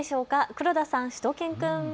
黒田さん、しゅと犬くん。